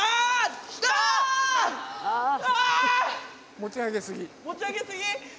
持ち上げ過ぎ？